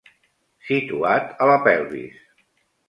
Situat a la pelvis.